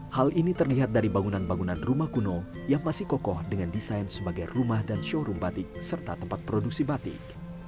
hal ini terlihat dari bangunan bangunan rumah kuno yang masih kokoh dengan desain sebagai rumah dan showroom batik serta tempat produksi batik